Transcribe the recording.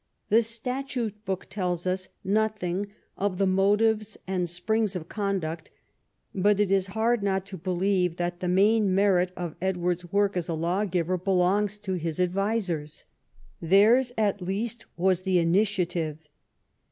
The statute book tells us nothing of motives and springs of conduct, but it is hard not to believe that the main merit of Edward's work as a lawgiver belongs to his advisers. Theirs at least was the initiative.